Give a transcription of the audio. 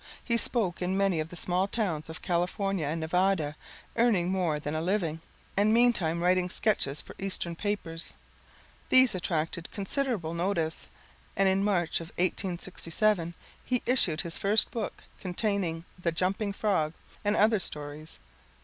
He spoke in many of the small towns of California and Nevada, earning more than a living, and meantime writing sketches for Eastern papers. These attracted considerable notice, and in March of 1867 he issued his first book, containing the "Jumping Frog" and other stories.